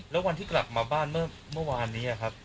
แล้ววันที่กลับมาบ้านเมื่อวานนี้ครับ